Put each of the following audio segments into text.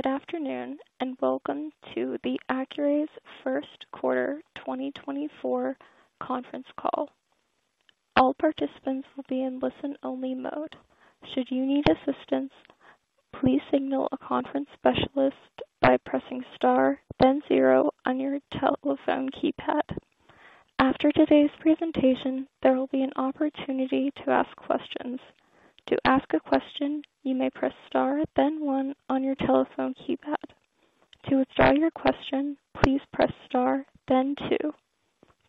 Good afternoon, and welcome to Accuray's first quarter 2024 conference call. All participants will be in listen-only mode. Should you need assistance, please signal a conference specialist by pressing star, then zero on your telephone keypad. After today's presentation, there will be an opportunity to ask questions. To ask a question, you may press star, then one on your telephone keypad. To withdraw your question, please press star, then two.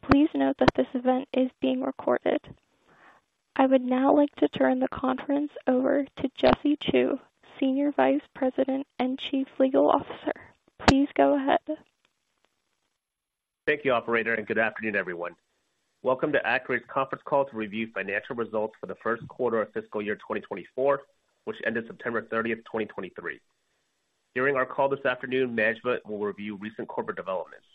Please note that this event is being recorded. I would now like to turn the conference over to Jesse Chew, Senior Vice President and Chief Legal Officer. Please go ahead. Thank you, operator, and good afternoon, everyone. Welcome to Accuray's conference call to review financial results for the first quarter of fiscal year 2024, which ended September 30th, 2023. During our call this afternoon, management will review recent corporate developments.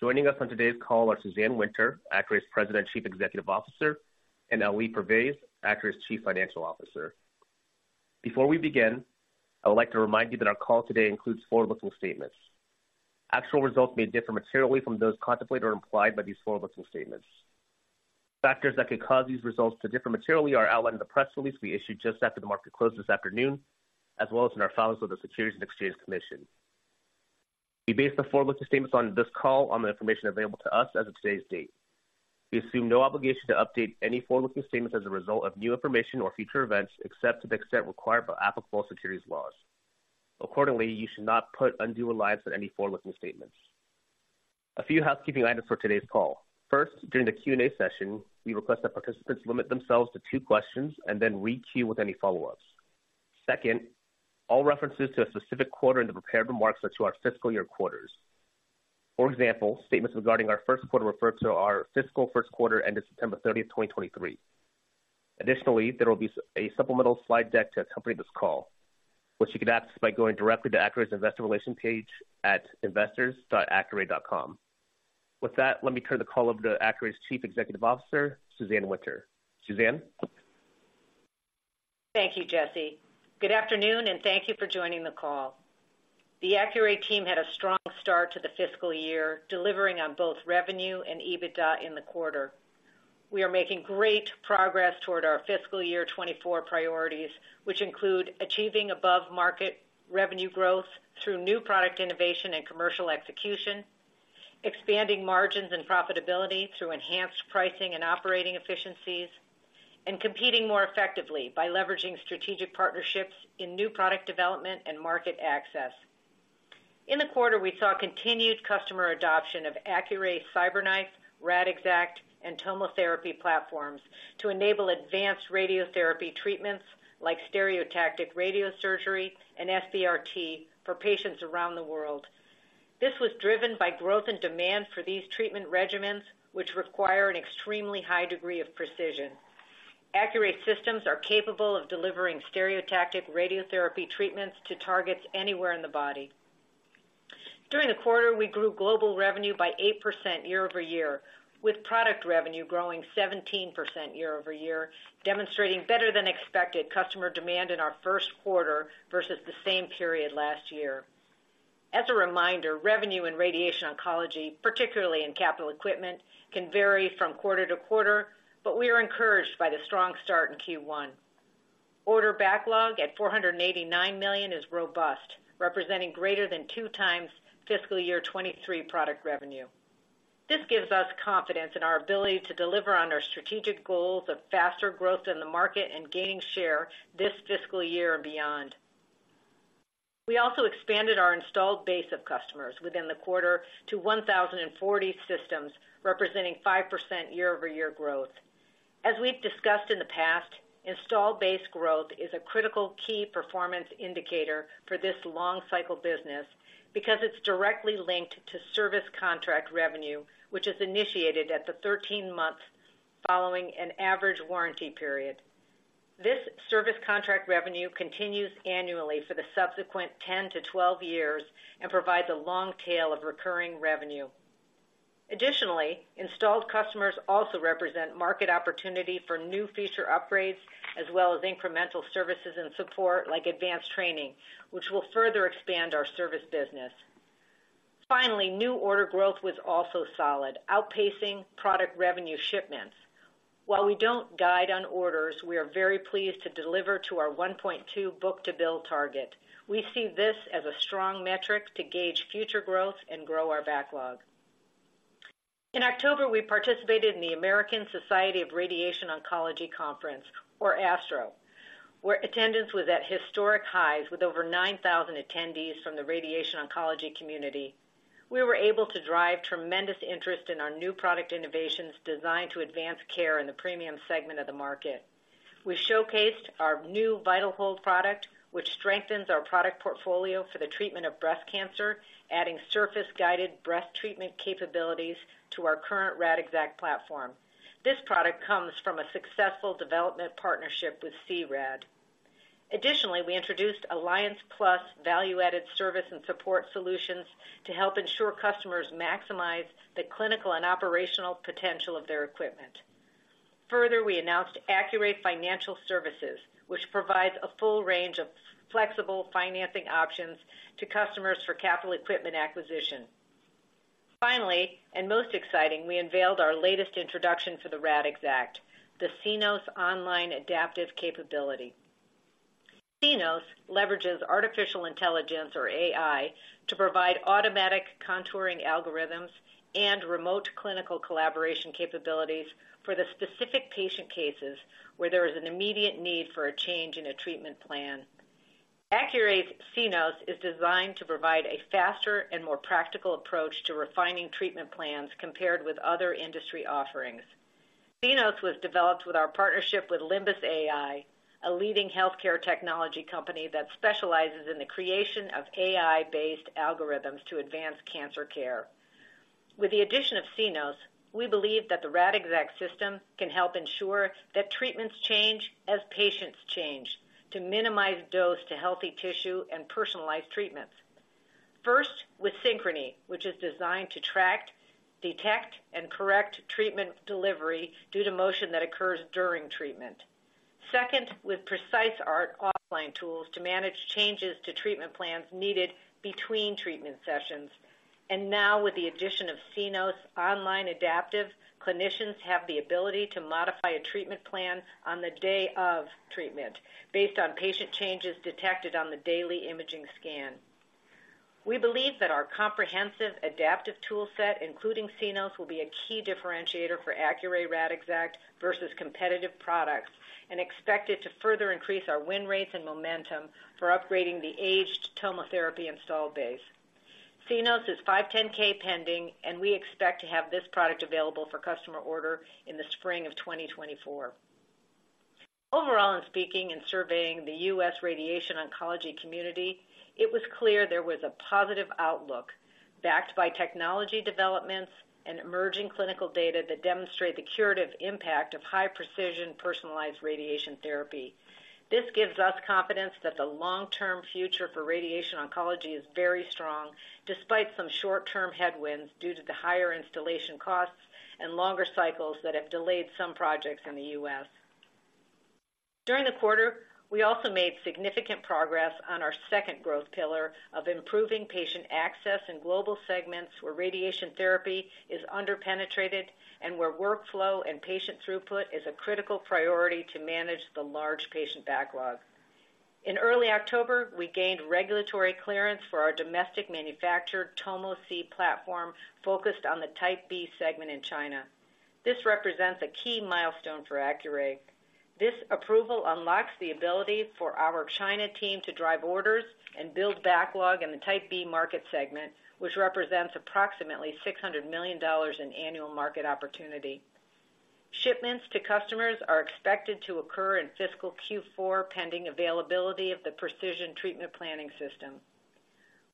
Joining us on today's call are Suzanne Winter, Accuray's President and Chief Executive Officer, and Ali Pervaiz, Accuray's Chief Financial Officer. Before we begin, I would like to remind you that our call today includes forward-looking statements. Actual results may differ materially from those contemplated or implied by these forward-looking statements. Factors that could cause these results to differ materially are outlined in the press release we issued just after the market closed this afternoon, as well as in our filings with the Securities and Exchange Commission. We base the forward-looking statements on this call on the information available to us as of today's date. We assume no obligation to update any forward-looking statements as a result of new information or future events, except to the extent required by applicable securities laws. Accordingly, you should not put undue reliance on any forward-looking statements. A few housekeeping items for today's call. First, during the Q&A session, we request that participants limit themselves to two questions and then re-queue with any follow-ups. Second, all references to a specific quarter in the prepared remarks are to our fiscal year quarters. For example, statements regarding our first quarter refer to our fiscal first quarter ending September 30th, 2023. Additionally, there will be a supplemental slide deck to accompany this call, which you can access by going directly to Accuray's Investor Relations page at investors.accuray.com. With that, let me turn the call over to Accuray's Chief Executive Officer, Suzanne Winter. Suzanne? Thank you, Jesse. Good afternoon, and thank you for joining the call. The Accuray team had a strong start to the fiscal year, delivering on both revenue and EBITDA in the quarter. We are making great progress toward our fiscal year 2024 priorities, which include achieving above-market revenue growth through new product innovation and commercial execution, expanding margins and profitability through enhanced pricing and operating efficiencies, and competing more effectively by leveraging strategic partnerships in new product development and market access. In the quarter, we saw continued customer adoption of Accuray's CyberKnife, Radixact, and TomoTherapy platforms to enable advanced radiotherapy treatments like stereotactic radiosurgery and SBRT for patients around the world. This was driven by growth and demand for these treatment regimens, which require an extremely high degree of Precision. Accuray systems are capable of delivering stereotactic radiotherapy treatments to targets anywhere in the body. During the quarter, we grew global revenue by 8% year-over-year, with product revenue growing 17% year-over-year, demonstrating better-than-expected customer demand in our first quarter versus the same period last year. As a reminder, revenue in radiation oncology, particularly in capital equipment, can vary from quarter to quarter, but we are encouraged by the strong start in Q1. Order backlog at $489 million is robust, representing greater than two times fiscal year 2023 product revenue. This gives us confidence in our ability to deliver on our strategic goals of faster growth in the market and gaining share this fiscal year and beyond. We also expanded our installed base of customers within the quarter to 1,040 systems, representing 5% year-over-year growth. As we've discussed in the past, installed base growth is a critical key performance indicator for this long-cycle business because it's directly linked to service contract revenue, which is initiated at the 13 months following an average warranty period. This service contract revenue continues annually for the subsequent 10-12 years and provides a long tail of recurring revenue. Additionally, installed customers also represent market opportunity for new feature upgrades, as well as incremental services and support, like advanced training, which will further expand our service business. Finally, new order growth was also solid, outpacing product revenue shipments. While we don't guide on orders, we are very pleased to deliver to our 1.2 book-to-bill target. We see this as a strong metric to gauge future growth and grow our backlog. In October, we participated in the American Society of Radiation Oncology conference, or ASTRO, where attendance was at historic highs with over 9,000 attendees from the radiation oncology community. We were able to drive tremendous interest in our new product innovations designed to advance care in the premium segment of the market. We showcased our new VitalHold product, which strengthens our product portfolio for the treatment of breast cancer, adding surface-guided breast treatment capabilities to our current Radixact platform. This product comes from a successful development partnership with C-RAD. Additionally, we introduced Alliance Plus value-added service and support solutions to help ensure customers maximize the clinical and operational potential of their equipment. Further, we announced Accuray Financial Services, which provides a full range of flexible financing options to customers for capital equipment acquisition. Finally, and most exciting, we unveiled our latest introduction for the Radixact, the Cenos online adaptive capability. Cenos leverages artificial intelligence, or AI, to provide automatic contouring algorithms and remote clinical collaboration capabilities for the specific patient cases where there is an immediate need for a change in a treatment plan. Accuray's Cenos is designed to provide a faster and more practical approach to refining treatment plans compared with other industry offerings. Cenos was developed with our partnership with Limbus AI, a leading healthcare technology company that specializes in the creation of AI-based algorithms to advance cancer care. With the addition of Cenos, we believe that the Radixact system can help ensure that treatments change as patients change, to minimize dose to healthy tissue and personalize treatments. First, with Synchrony, which is designed to track, detect, and correct treatment delivery due to motion that occurs during treatment. Second, with PreciseART offline tools to manage changes to treatment plans needed between treatment sessions. Now, with the addition of Cenos online adaptive, clinicians have the ability to modify a treatment plan on the day of treatment based on patient changes detected on the daily imaging scan. We believe that our comprehensive adaptive tool set, including Cenos, will be a key differentiator for Accuray Radixact versus competitive products, and expect it to further increase our win rates and momentum for upgrading the aged TomoTherapy install base. Cenos is 510(k) pending, and we expect to have this product available for customer order in the spring of 2024. Overall, in speaking and surveying the U.S. radiation oncology community, it was clear there was a positive outlook, backed by technology developments and emerging clinical data that demonstrate the curative impact of high-precision, personalized radiation therapy. This gives us confidence that the long-term future for radiation oncology is very strong, despite some short-term headwinds due to the higher installation costs and longer cycles that have delayed some projects in the U.S. During the quarter, we also made significant progress on our second growth pillar of improving patient access in global segments where radiation therapy is under-penetrated and where workflow and patient throughput is a critical priority to manage the large patient backlog. In early October, we gained regulatory clearance for our domestic manufactured Tomo C platform, focused on the Type B segment in China. This represents a key milestone for Accuray. This approval unlocks the ability for our China team to drive orders and build backlog in the Type B market segment, which represents approximately $600 million in annual market opportunity. Shipments to customers are expected to occur in fiscal Q4, pending availability of the precision treatment planning system.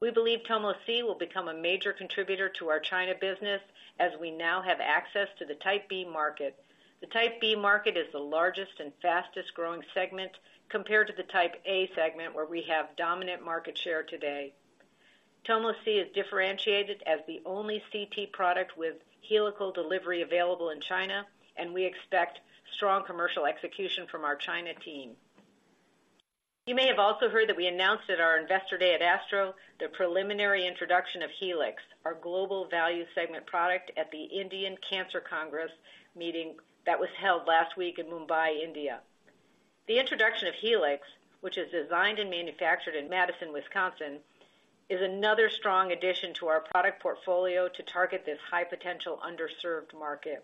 We believe Tomo C will become a major contributor to our China business as we now have access to the Type B market. The Type B market is the largest and fastest-growing segment compared to the Type A segment, where we have dominant market share today. Tomo C is differentiated as the only CT product with helical delivery available in China, and we expect strong commercial execution from our China team. You may have also heard that we announced at our Investor Day at ASTRO the preliminary introduction of Helix, our global value segment product, at the Indian Cancer Congress meeting that was held last week in Mumbai, India. The introduction of Helix, which is designed and manufactured in Madison, Wisconsin, is another strong addition to our product portfolio to target this high-potential, underserved market.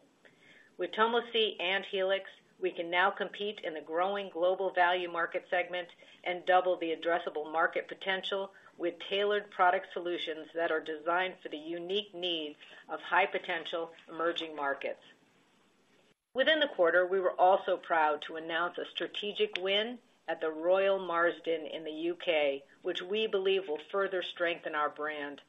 With Tomo C and Helix, we can now compete in the growing global value market segment and double the addressable market potential with tailored product solutions that are designed for the unique needs of high-potential emerging markets. Within the quarter, we were also proud to announce a strategic win at The Royal Marsden in the U.K., which we believe will further strengthen our brand.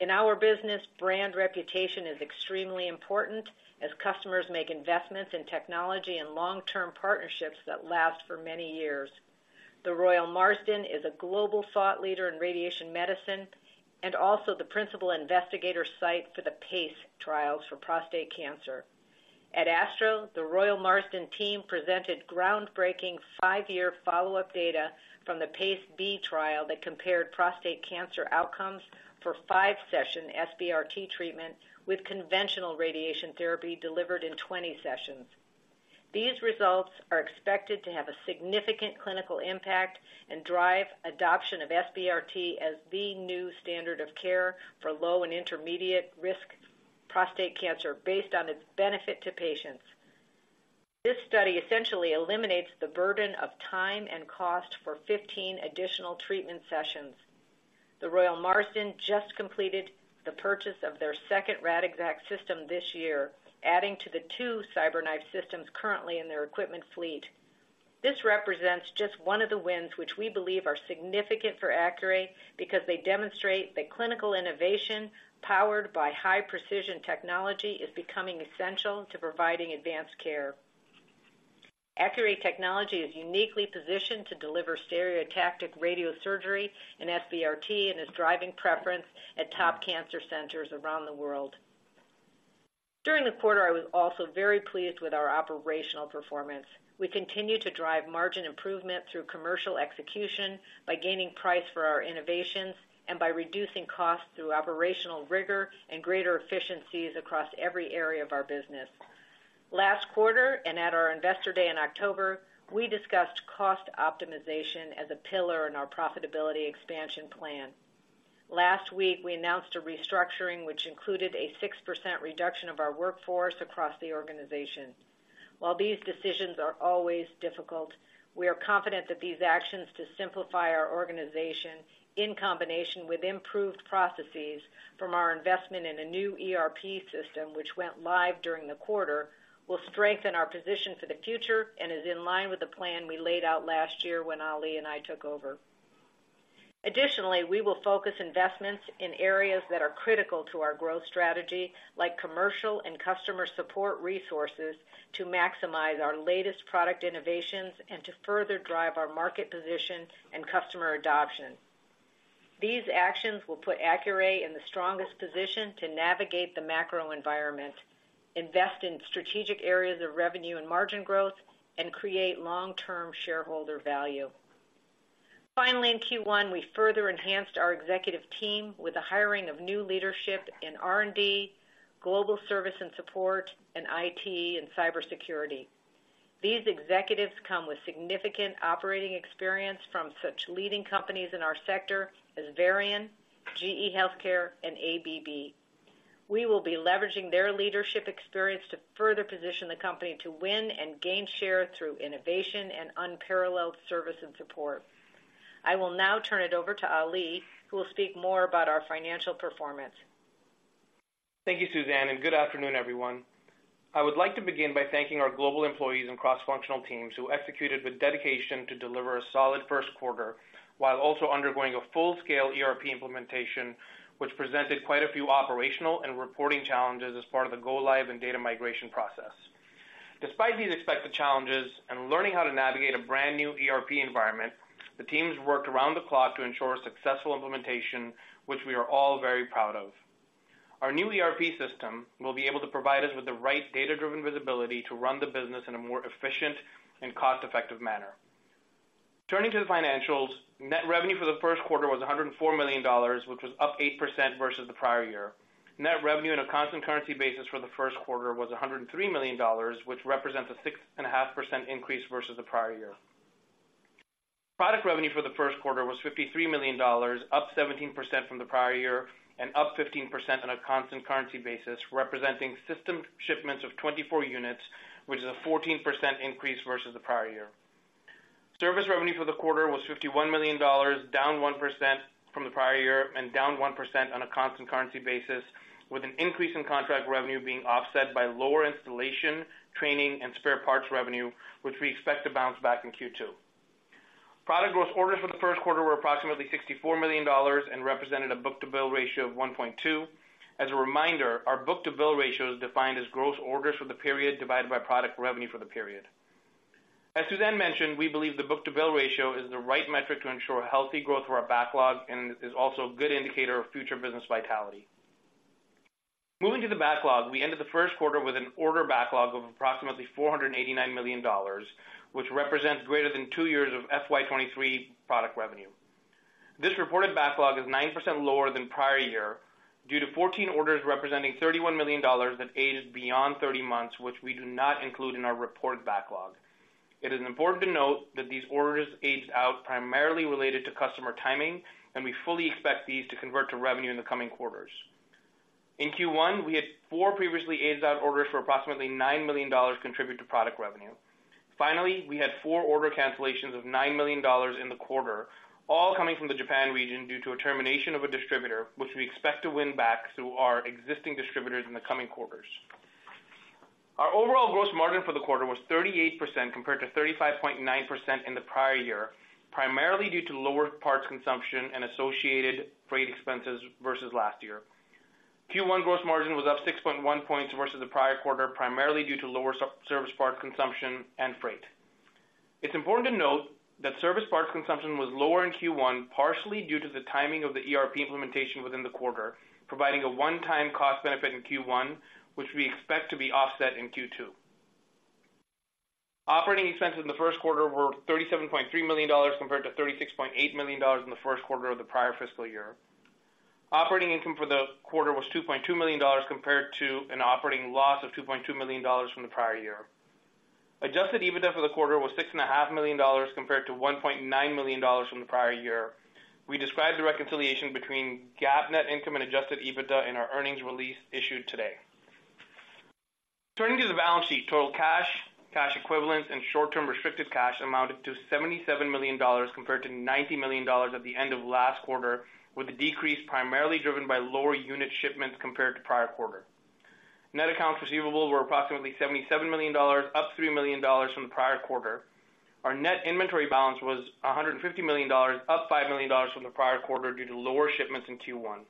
In our business, brand reputation is extremely important as customers make investments in technology and long-term partnerships that last for many years. The Royal Marsden is a global thought leader in radiation medicine and also the principal investigator site for the PACE trials for prostate cancer. At ASTRO, The Royal Marsden team presented groundbreaking five-year follow-up data from the PACE B trial that compared prostate cancer outcomes for five-session SBRT treatment with conventional radiation therapy delivered in 20 sessions. These results are expected to have a significant clinical impact and drive adoption of SBRT as the new standard of care for low and intermediate-risk prostate cancer based on its benefit to patients. This study essentially eliminates the burden of time and cost for 15 additional treatment sessions. The Royal Marsden just completed the purchase of their second Radixact system this year, adding to the two CyberKnife systems currently in their equipment fleet. This represents just one of the wins, which we believe are significant for Accuray, because they demonstrate that clinical innovation, powered by high-precision technology, is becoming essential to providing advanced care. Accuray Technology is uniquely positioned to deliver stereotactic radiosurgery and SBRT and is driving preference at top cancer centers around the world. During the quarter, I was also very pleased with our operational performance. We continued to drive margin improvement through commercial execution by gaining price for our innovations and by reducing costs through operational rigor and greater efficiencies across every area of our business. Last quarter, and at our Investor Day in October, we discussed cost optimization as a pillar in our profitability expansion plan. Last week, we announced a restructuring which included a 6% reduction of our workforce across the organization. While these decisions are always difficult, we are confident that these actions to simplify our organization, in combination with improved processes from our investment in a new ERP system, which went live during the quarter, will strengthen our position for the future and is in line with the plan we laid out last year when Ali and I took over. Additionally, we will focus investments in areas that are critical to our growth strategy, like commercial and customer support resources, to maximize our latest product innovations and to further drive our market position and customer adoption. These actions will put Accuray in the strongest position to navigate the macro environment, invest in strategic areas of revenue and margin growth, and create long-term shareholder value. Finally, in Q1, we further enhanced our executive team with the hiring of new leadership in R&D, global service and support, and IT and cybersecurity. These executives come with significant operating experience from such leading companies in our sector as Varian, GE Healthcare, and ABB. We will be leveraging their leadership experience to further position the company to win and gain share through innovation and unparalleled service and support. I will now turn it over to Ali, who will speak more about our financial performance. Thank you, Suzanne, and good afternoon, everyone. I would like to begin by thanking our global employees and cross-functional teams who executed with dedication to deliver a solid first quarter, while also undergoing a full-scale ERP implementation, which presented quite a few operational and reporting challenges as part of the go-live and data migration process. Despite these expected challenges and learning how to navigate a brand-new ERP environment, the teams worked around the clock to ensure a successful implementation, which we are all very proud of. Our new ERP system will be able to provide us with the right data-driven visibility to run the business in a more efficient and cost-effective manner. Turning to the financials, net revenue for the first quarter was $104 million, which was up 8% versus the prior year. Net revenue on a constant currency basis for the first quarter was $103 million, which represents a 6.5% increase versus the prior year. Product revenue for the first quarter was $53 million, up 17% from the prior year and up 15% on a constant currency basis, representing system shipments of 24 units, which is a 14% increase versus the prior year. Service revenue for the quarter was $51 million, down 1% from the prior year and down 1% on a constant currency basis, with an increase in contract revenue being offset by lower installation, training, and spare parts revenue, which we expect to bounce back in Q2. Product growth orders for the first quarter were approximately $64 million and represented a book-to-bill ratio of 1.2. As a reminder, our book-to-bill ratio is defined as gross orders for the period divided by product revenue for the period. As Suzanne mentioned, we believe the book-to-bill ratio is the right metric to ensure healthy growth for our backlog and is also a good indicator of future business vitality. Moving to the backlog, we ended the first quarter with an order backlog of approximately $489 million, which represents greater than two years of FY 2023 product revenue. This reported backlog is 9% lower than prior year due to 14 orders representing $31 million that aged beyond 30 months, which we do not include in our reported backlog. It is important to note that these orders aged out primarily related to customer timing, and we fully expect these to convert to revenue in the coming quarters. In Q1, we had four previously aged out orders for approximately $9 million contribute to product revenue. Finally, we had four order cancellations of $9 million in the quarter, all coming from the Japan region due to a termination of a distributor, which we expect to win back through our existing distributors in the coming quarters. Our overall gross margin for the quarter was 38%, compared to 35.9% in the prior year, primarily due to lower parts consumption and associated freight expenses versus last year. Q1 gross margin was up 6.1 points versus the prior quarter, primarily due to lower service parts consumption and freight. It's important to note that service parts consumption was lower in Q1, partially due to the timing of the ERP implementation within the quarter, providing a one-time cost benefit in Q1, which we expect to be offset in Q2. Operating expenses in the first quarter were $37.3 million, compared to $36.8 million in the first quarter of the prior fiscal year. Operating income for the quarter was $2.2 million, compared to an operating loss of $2.2 million from the prior year. Adjusted EBITDA for the quarter was $6.5 million, compared to $1.9 million from the prior year. We describe the reconciliation between GAAP net income and Adjusted EBITDA in our earnings release issued today. Turning to the balance sheet, total cash, cash equivalents, and short-term restricted cash amounted to $77 million, compared to $90 million at the end of last quarter, with the decrease primarily driven by lower unit shipments compared to prior quarter. Net accounts receivable were approximately $77 million, up $3 million from the prior quarter. Our net inventory balance was $150 million, up $5 million from the prior quarter due to lower shipments in Q1.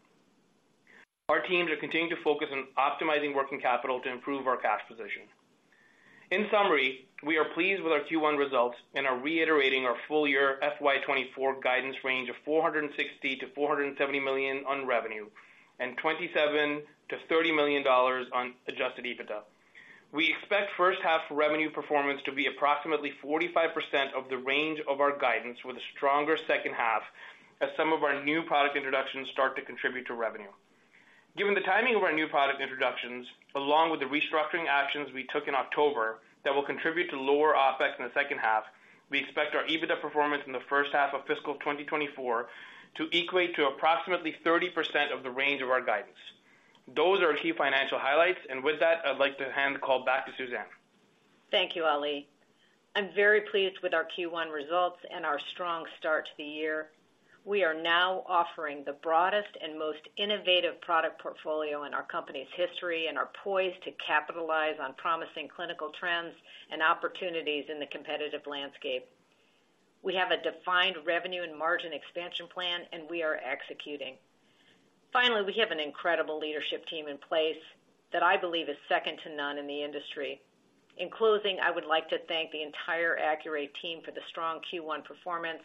Our teams are continuing to focus on optimizing working capital to improve our cash position. In summary, we are pleased with our Q1 results and are reiterating our full year FY 2024 guidance range of $460 million-$470 million on revenue and $27 million-$30 million on Adjusted EBITDA. We expect first half revenue performance to be approximately 45% of the range of our guidance, with a stronger second half as some of our new product introductions start to contribute to revenue. Given the timing of our new product introductions, along with the restructuring actions we took in October that will contribute to lower OpEx in the second half, we expect our EBITDA performance in the first half of fiscal 2024 to equate to approximately 30% of the range of our guidance. Those are our key financial highlights, and with that, I'd like to hand the call back to Suzanne. Thank you, Ali. I'm very pleased with our Q1 results and our strong start to the year. We are now offering the broadest and most innovative product portfolio in our company's history, and are poised to capitalize on promising clinical trends and opportunities in the competitive landscape. We have a defined revenue and margin expansion plan, and we are executing. Finally, we have an incredible leadership team in place that I believe is second to none in the industry. In closing, I would like to thank the entire Accuray team for the strong Q1 performance,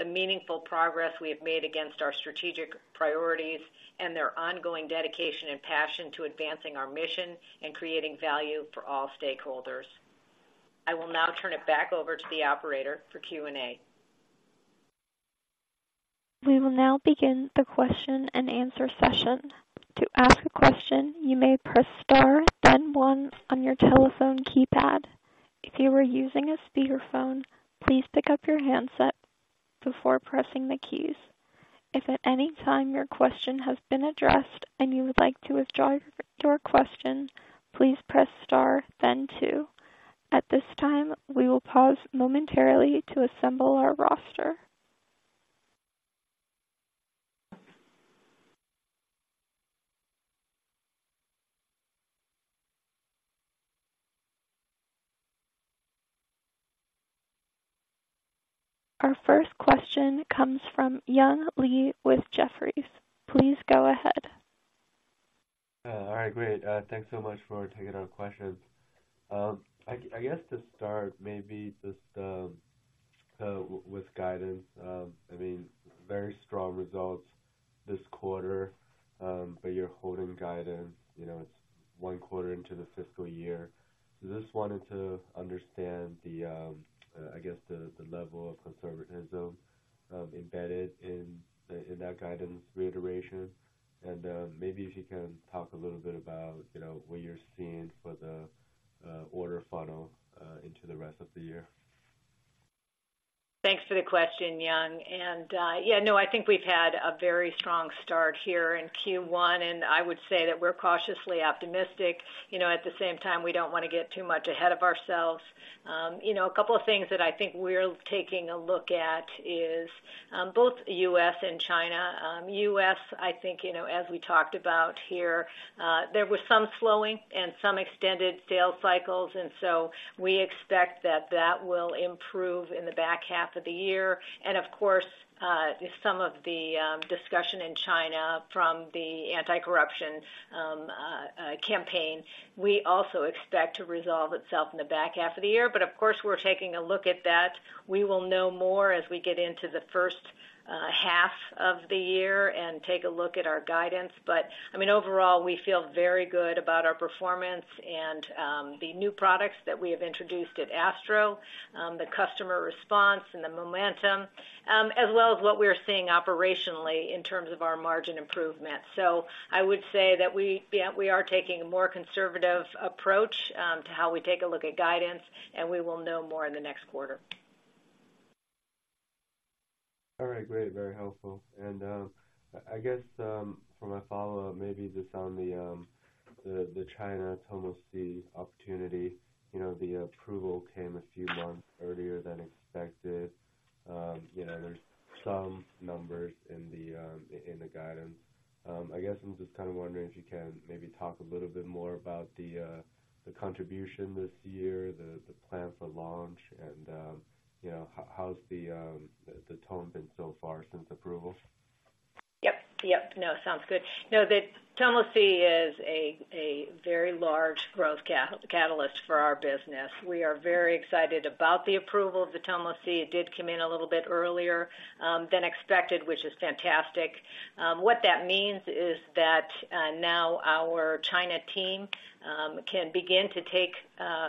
the meaningful progress we have made against our strategic priorities, and their ongoing dedication and passion to advancing our mission and creating value for all stakeholders. I will now turn it back over to the operator for Q&A. We will now begin the question and answer session. To ask a question, you may press Star, then one on your telephone keypad. If you are using a speakerphone, please pick up your handset before pressing the keys. If at any time your question has been addressed and you would like to withdraw your question, please press star, then two. At this time, we will pause momentarily to assemble our roster. Our first question comes from Young Li with Jefferies. Please go ahead. All right, great. Thanks so much for taking our questions. I guess to start, maybe just with guidance, I mean, very strong results this quarter, but you're holding guidance, you know, it's one quarter into the fiscal year. So just wanted to understand the, I guess, the level of conservatism embedded in that guidance reiteration. Maybe if you can talk a little bit about, you know, what you're seeing for the order funnel into the rest of the year. Thanks for the question, Young. And, yeah, no, I think we've had a very strong start here in Q1, and I would say that we're cautiously optimistic. You know, at the same time, we don't want to get too much ahead of ourselves. You know, a couple of things that I think we're taking a look at is, both U.S. and China. U.S., I think, you know, as we talked about here, there was some slowing and some extended sales cycles, and so we expect that that will improve in the back half of the year. And of course, some of the, discussion in China from the anti-corruption, campaign, we also expect to resolve itself in the back half of the year. But of course, we're taking a look at that. We will know more as we get into the first half of the year and take a look at our guidance. But, I mean, overall, we feel very good about our performance and the new products that we have introduced at ASTRO, the customer response and the momentum, as well as what we are seeing operationally in terms of our margin improvement. So I would say that we, yeah, we are taking a more conservative approach to how we take a look at guidance, and we will know more in the next quarter. All right, great, very helpful. And, I guess, for my follow-up, maybe just on the China Tomo C opportunity. You know, the approval came a few months earlier than expected. You know, there's some numbers in the, in the guidance. I guess I'm just kind of wondering if you can maybe talk a little bit more about the contribution this year, the plan for launch, and, you know, how's the tone been so far since approval? Yep, yep. No, sounds good. No, the Tomo C is a very large growth catalyst for our business. We are very excited about the approval of the Tomo C. It did come in a little bit earlier than expected, which is fantastic. What that means is that now our China team can begin to take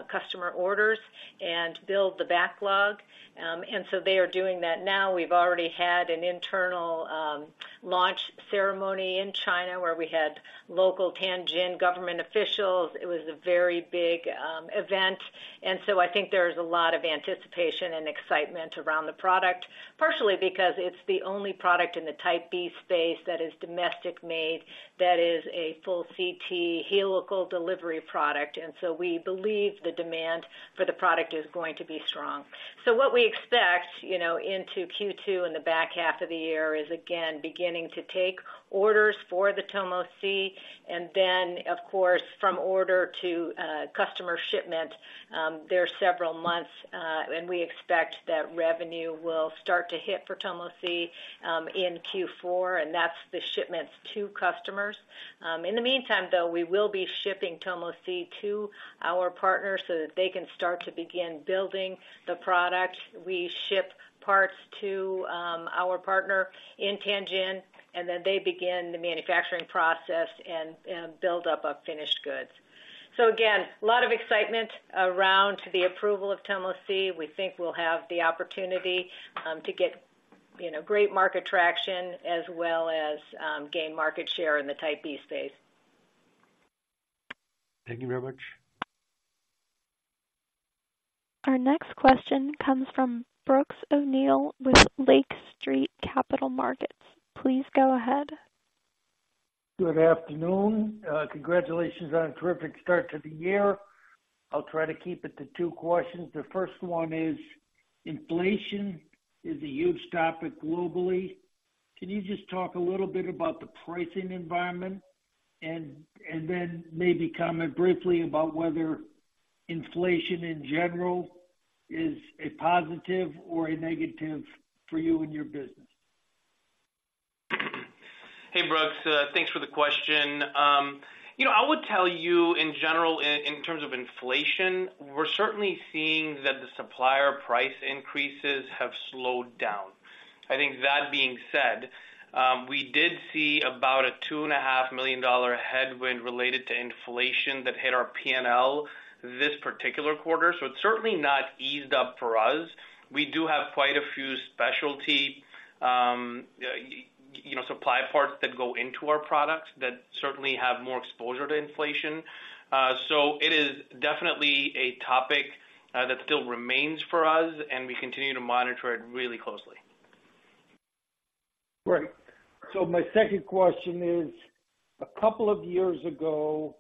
customer orders and build the backlog. And so they are doing that now. We've already had an internal launch ceremony in China, where we had local Tianjin government officials. It was a very big event, and so I think there's a lot of anticipation and excitement around the product. Partially because it's the only product in the type B space that is domestic made, that is a full CT helical delivery product, and so we believe the demand for the product is going to be strong. So what we expect, you know, into Q2 in the back half of the year is, again, beginning to take orders for the Tomo C. And then, of course, from order to customer shipment, there are several months, and we expect that revenue will start to hit for Tomo C in Q4, and that's the shipments to customers. In the meantime, though, we will be shipping Tomo C to our partners so that they can start to begin building the product. We ship parts to our partner in Tianjin, and then they begin the manufacturing process and build up of finished goods. So again, a lot of excitement around the approval of Tomo C. We think we'll have the opportunity to get, you know, great market traction as well as gain market share in the Type B space. Thank you very much. Our next question comes from Brooks O'Neil with Lake Street Capital Markets. Please go ahead. Good afternoon. Congratulations on a terrific start to the year. I'll try to keep it to two questions. The first one is: inflation is a huge topic globally. Can you just talk a little bit about the pricing environment? And then maybe comment briefly about whether inflation, in general, is a positive or a negative for you and your business. Hey, Brooks, thanks for the question. You know, I would tell you, in general, in terms of inflation, we're certainly seeing that the supplier price increases have slowed down. I think that being said, we did see about a $2.5 million headwind related to inflation that hit our P&L this particular quarter, so it's certainly not eased up for us. We do have quite a few specialty, you know, supply parts that go into our products that certainly have more exposure to inflation. So it is definitely a topic that still remains for us, and we continue to monitor it really closely. Great. So my second question is, a couple of years ago,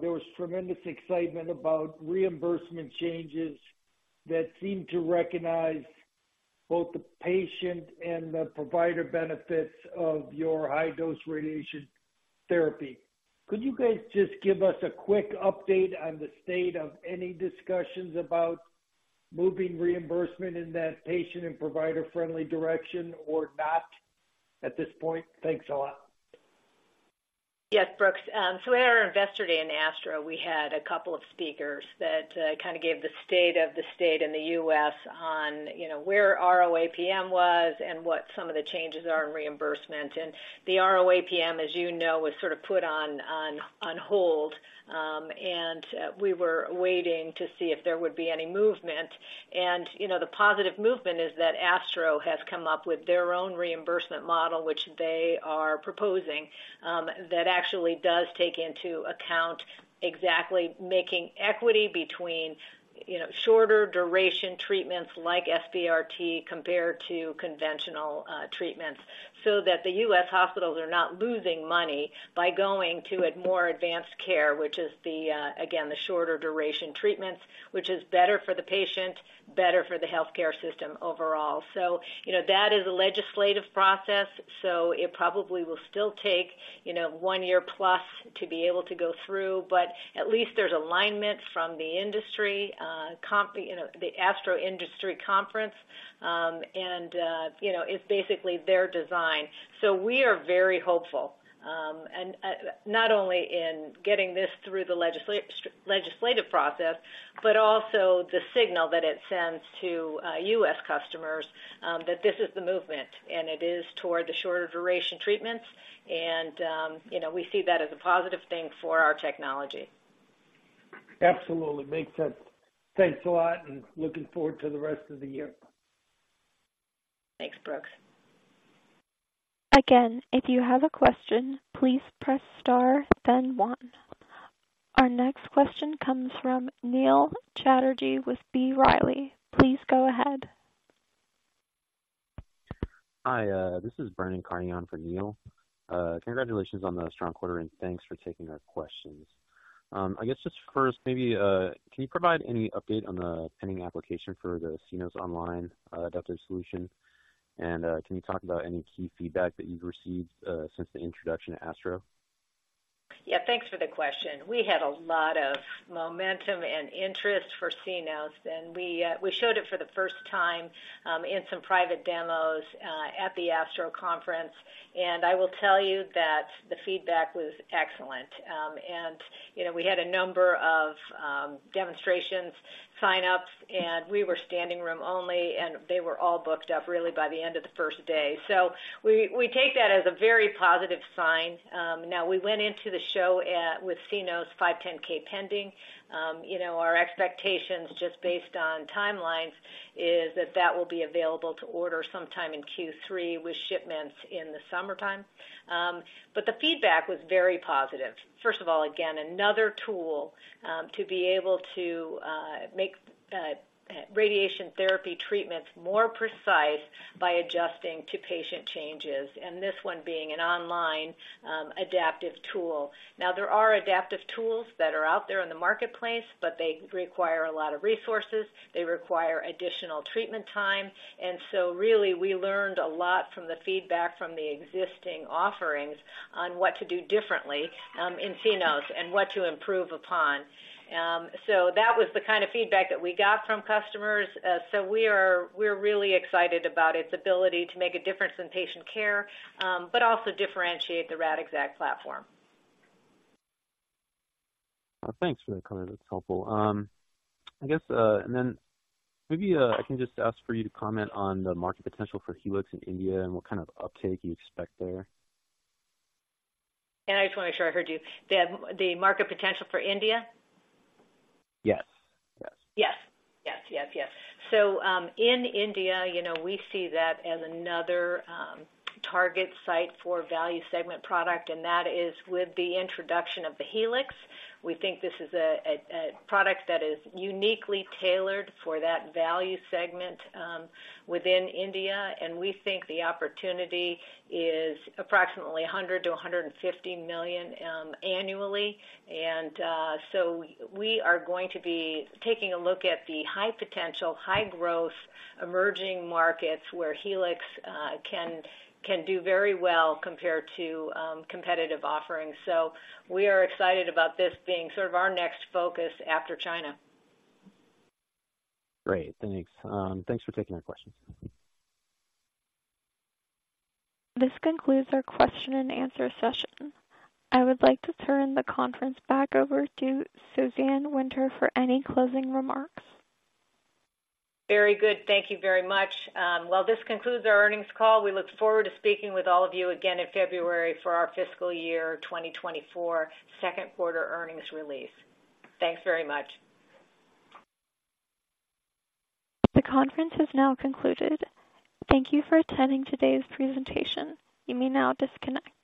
there was tremendous excitement about reimbursement changes that seemed to recognize both the patient and the provider benefits of your high-dose radiation therapy. Could you guys just give us a quick update on the state of any discussions about moving reimbursement in that patient and provider-friendly direction or not at this point? Thanks a lot. Yes, Brooks. So at our Investor Day in ASTRO, we had a couple of speakers that kinda gave the state of the state in the U.S. on, you know, where RO-APM was and what some of the changes are in reimbursement. The RO-APM, as you know, was sort of put on hold. We were waiting to see if there would be any movement. You know, the positive movement is that ASTRO has come up with their own reimbursement model, which they are proposing, that actually does take into account exactly making equity between, you know, shorter duration treatments like SBRT compared to conventional, treatments, so that the U.S. hospitals are not losing money by going to a more advanced care, which is the, again, the shorter duration treatments, which is better for the patient, better for the healthcare system overall. So, you know, that is a legislative process, so it probably will still take, you know, one year plus to be able to go through, but at least there's alignment from the industry, conference, you know, the ASTRO Industry Conference. And, you know, it's basically their design. So we are very hopeful, and not only in getting this through the legislative process, but also the signal that it sends to U.S. customers, that this is the movement, and it is toward the shorter duration treatments. And you know, we see that as a positive thing for our technology. Absolutely. Makes sense. Thanks a lot, and looking forward to the rest of the year. Thanks, Brooks. Again, if you have a question, please press star, then one. Our next question comes from Neil Chatterjee with B. Riley. Please go ahead. Hi, this is Brandon Carney for Neil. Congratulations on the strong quarter, and thanks for taking our questions. I guess just first, maybe, can you provide any update on the pending application for the Cenos's online adaptive solution? And, can you talk about any key feedback that you've received, since the introduction at ASTRO? Yeah, thanks for the question. We had a lot of momentum and interest for Cenos, and we showed it for the first time in some private demos at the ASTRO conference. And I will tell you that the feedback was excellent. And, you know, we had a number of demonstrations, sign-ups, and we were standing room only, and they were all booked up really by the end of the first day. So we take that as a very positive sign. Now, we went into the show with Cenos 510(k) pending. You know, our expectations, just based on timelines, is that that will be available to order sometime in Q3, with shipments in the summertime. But the feedback was very positive. First of all, again, another tool to be able to make radiation therapy treatments more precise by adjusting to patient changes, and this one being an online adaptive tool. Now, there are adaptive tools that are out there in the marketplace, but they require a lot of resources. They require additional treatment time. And so really, we learned a lot from the feedback from the existing offerings on what to do differently in Cenos and what to improve upon. So that was the kind of feedback that we got from customers. So we're really excited about its ability to make a difference in patient care, but also differentiate the Radixact platform. Well, thanks for that comment. That's helpful. I guess, and then maybe, I can just ask for you to comment on the market potential for Helix in India and what kind of uptake you expect there. I just want to make sure I heard you. The market potential for India? Yes. Yes. Yes. Yes, yes, yes. So, in India, you know, we see that as another, target site for value segment product, and that is with the introduction of the Helix. We think this is a product that is uniquely tailored for that value segment, within India, and we think the opportunity is approximately $100 million-$150 million, annually. And, so we are going to be taking a look at the high potential, high growth, emerging markets where Helix, can do very well compared to, competitive offerings. So we are excited about this being sort of our next focus after China. Great. Thanks. Thanks for taking my questions. This concludes our question and answer session. I would like to turn the conference back over to Suzanne Winter for any closing remarks. Very good. Thank you very much. Well, this concludes our earnings call. We look forward to speaking with all of you again in February for our fiscal year 2024 second quarter earnings release. Thanks very much. The conference has now concluded. Thank you for attending today's presentation. You may now disconnect.